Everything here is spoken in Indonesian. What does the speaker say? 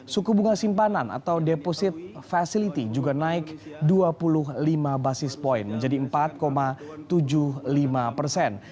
suku bunga simpanan atau deposit facility juga naik dua puluh lima basis point menjadi empat tujuh puluh lima persen